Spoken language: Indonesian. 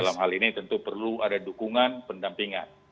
dan dalam hal ini tentu perlu ada dukungan pendampingan